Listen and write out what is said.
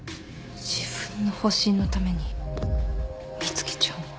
自分の保身のために美月ちゃんを。